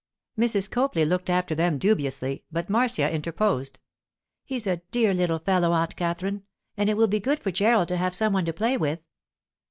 Mrs Copley looked after them dubiously, but Marcia interposed, 'He's a dear little fellow, Aunt Katherine, and it will be good for Gerald to have some one to play with.